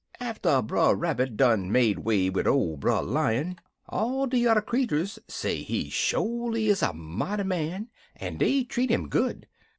"After Brer Rabbit done make way wid ole Brer Lion, all de yuther creeturs say he sholy is a mighty man, en dey treat 'im good.